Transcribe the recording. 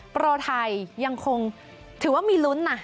โปรไทยยังคงถือว่ามีลุ้นนะ